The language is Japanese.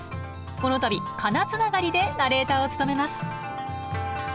この度「かな」つながりでナレーターを務めます。